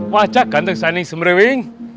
wajah ganteng saining semrewing